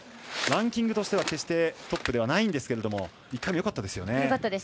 ランキングとしては決してトップではないんですけど１回目よかったですよね。